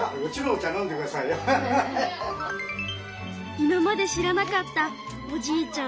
今まで知らなかったおじいちゃん